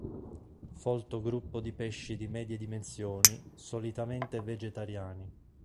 Folto gruppo di pesci di medie dimensioni, solitamente vegetariani.